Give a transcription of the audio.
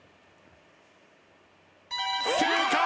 正解！